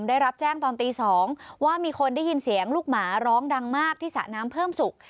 ได้รับแจ้งตอนตี๒ว่ามีคนได้ยินเสียงลูกหมาร้องดังมากที่สระน้ำเพิ่มศุกร์